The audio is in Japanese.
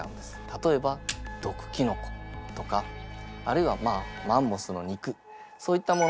例えば毒キノコとかあるいはまあマンモスの肉そういったもの